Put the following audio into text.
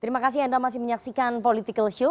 terima kasih anda masih menyaksikan political show